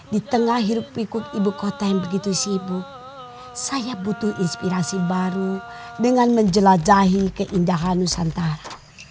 di tengah hirup pikuk ibu kota yang begitu sibuk saya butuh inspirasi baru dengan menjelajahi keindahan nusantara